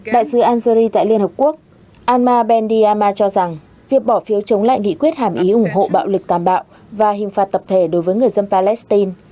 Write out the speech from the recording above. đại sứ algeri tại liên hợp quốc alma bendiyama cho rằng việc bỏ phiếu chống lại nghị quyết hàm ý ủng hộ bạo lực tàm bạo và hình phạt tập thể đối với người dân palestine